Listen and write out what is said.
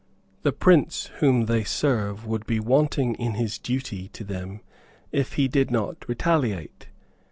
The Prince whom they serve would be wanting in his duty to them if he did not retaliate.